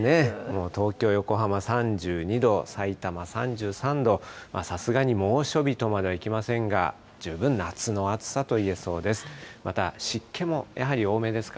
もう東京、横浜、３２度、さいたま３３度、さすがに猛暑日とまではいきませんが、十分夏の暑さといえそうです。